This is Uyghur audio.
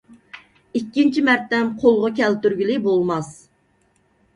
ئىككىنچى مەرتەم قولغا كەلتۈرگىلى بولماس.